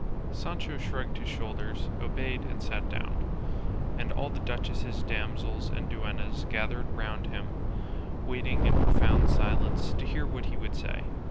Sancho shrugged his shoulders, obeyed, and sat down, and all the duchess's damsels and duennas gathered round him, waiting in profound silence to hear what he would say.